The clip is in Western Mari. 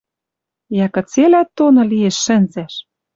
Йӓ кыцелӓ тоны лиэш шӹнзӓш